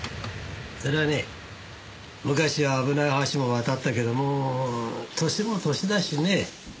そりゃあね昔は危ない橋も渡ったけどもう歳も歳だしね。